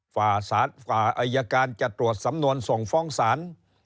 ฝ่าอายการจะตรวจสำนวนส่งฟ้องศาล